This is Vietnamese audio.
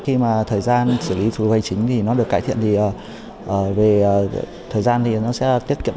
khi mà thời gian xử lý thủ tục hành chính thì nó được cải thiện thì về thời gian thì nó sẽ tiết kiệm